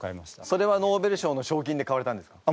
それはノーベル賞の賞金で買われたんですか？